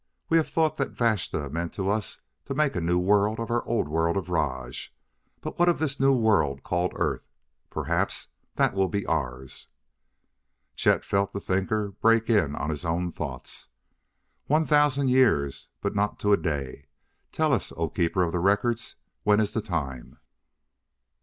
We had thought that Vashta meant us to make a new world of our old world of Rajj, but what of this new world called Earth? Perhaps that will be ours." Chet felt the thinker break in on his own thoughts. "One thousand years, but not to a day. Tell us, O Keeper of the Records, when is the time?"